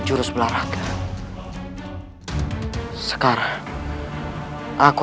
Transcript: itu balasan untuk ibu